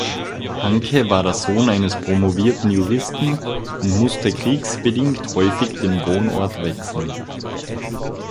Hanke war der Sohn eines promovierten Juristen und musste kriegsbedingt häufig den Wohnort wechseln.